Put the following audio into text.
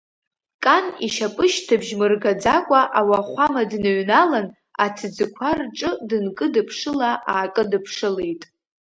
Кан ишьапышьҭыбжь мыргаӡакәа ауахәама дныҩналан, аҭӡқәа рҿы дынкыдыԥшыла-аакыдыԥшылеит.